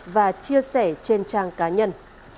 và chia sẻ trên trang cá nhân